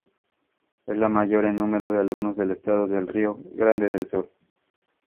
Es la mayor en número de alumnos del estado del Río Grande del Sur.